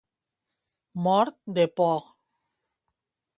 Mort de por.